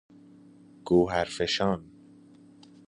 گوهرفشان